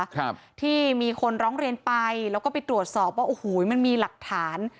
ครับที่มีคนร้องเรียนไปแล้วก็ไปตรวจสอบว่าโอ้โหมันมีหลักฐาน